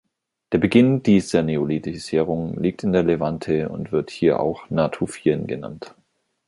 Der Beginn dieser Neolithisierung liegt in der Levante und wird hier auch Natufien genannt.